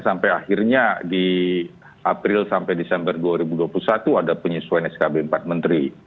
sampai akhirnya di april sampai desember dua ribu dua puluh satu ada penyesuaian skb empat menteri